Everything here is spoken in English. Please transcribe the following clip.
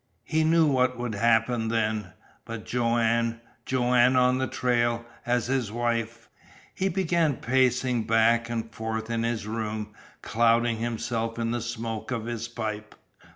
He knew what would happen then. But Joanne Joanne on the trail, as his wife He began pacing back and forth in his room, clouding himself in the smoke of his pipe.